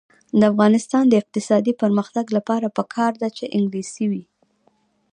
د افغانستان د اقتصادي پرمختګ لپاره پکار ده چې انګلیسي وي.